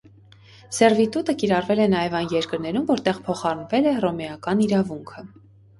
Սերվիտուտը կիրառվել է նաև այն երկրներում, որտեղ փոխառնվել է հռոմեական իրավունքը։